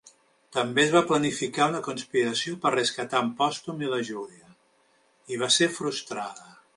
També es va planificar una conspiració per rescatar en Pòstum i la Júlia i va ser frustrada.